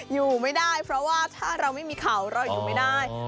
อยู่ไม่ได้เพราะว่าถ้าเราไม่มีเขาเราอยู่ไม่ได้